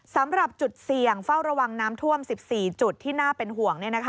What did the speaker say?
สำหรับจุดเสี่ยงเฝ้าระวังน้ำท่วม๑๔จุดที่น่าเป็นห่วง